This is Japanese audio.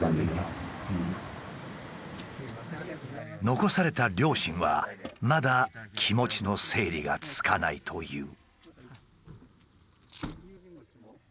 残された両親はまだ気持ちの整理がつかないという。